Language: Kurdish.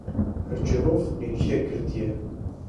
Hirçê hov nêçîrek girtiye.